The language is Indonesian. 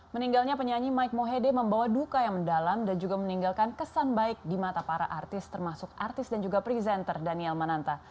meninggalnya penyanyi mike mohede membawa duka yang mendalam dan juga meninggalkan kesan baik di mata para artis termasuk artis dan juga presenter daniel mananta